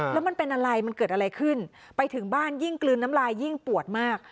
แล้วมันเป็นอะไรมันเกิดอะไรขึ้นไปถึงบ้านยิ่งกลืนน้ำลายยิ่งปวดมาก